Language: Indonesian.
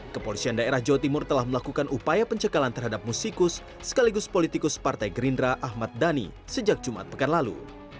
kepolisian daerah jawa timur telah melakukan upaya pencekalan terhadap musikus sekaligus politikus partai gerindra ahmad dhani sejak jumat pekan lalu